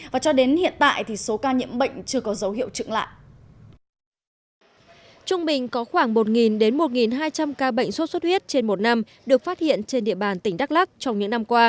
và cho đến hiện tại số ca nhiễm bệnh chưa có dấu hiệu trựng lại